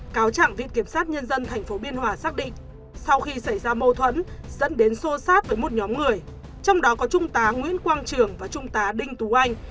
cáo trạng viện kiểm sát nhân dân tp biên hòa xác định sau khi xảy ra mâu thuẫn dẫn đến xô sát với một nhóm người trong đó có trung tá nguyễn quang trường và trung tá đinh tú anh